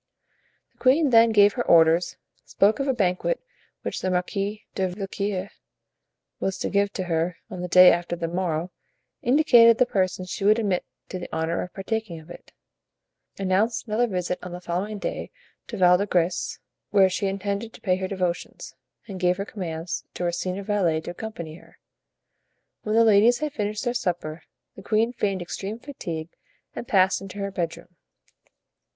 The queen then gave her orders, spoke of a banquet which the Marquis de Villequier was to give to her on the day after the morrow, indicated the persons she would admit to the honor of partaking of it, announced another visit on the following day to Val de Grace, where she intended to pay her devotions, and gave her commands to her senior valet to accompany her. When the ladies had finished their supper the queen feigned extreme fatigue and passed into her bedroom.